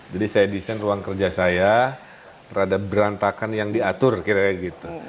jadi saya desain ruang kerja saya terhadap berantakan yang diatur kira kira gitu